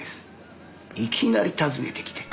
いきなり訪ねてきて。